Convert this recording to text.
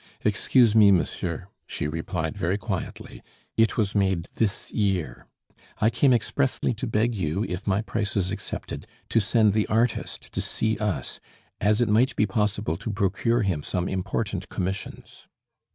"Excuse me, monsieur," she replied very quietly, "it was made this year; I came expressly to beg you, if my price is accepted, to send the artist to see us, as it might be possible to procure him some important commissions."